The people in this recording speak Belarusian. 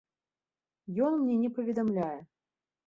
Ён мне не паведамляе.